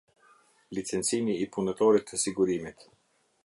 Licencimi i punëtorit të sigurimit.